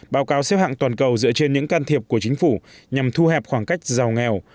báo cáo xếp hạng toàn cầu dựa trên những can thiệp của chính phủ nhằm thu hẹp khoảng cách giàu nghèo